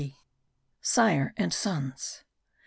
SIRE AND SONS.